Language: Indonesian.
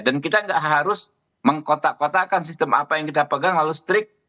dan kita nggak harus mengkotak kotakan sistem apa yang kita pegang lalu strik